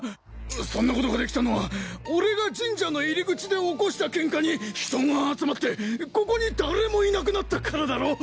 そんなことができたのは俺が神社の入り口で起こしたケンカに人が集まってここに誰もいなくなったからだろ？